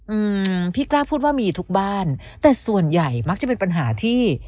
อืมพี่กล้าพูดว่ามีทุกบ้านแต่ส่วนใหญ่มักจะเป็นปัญหาที่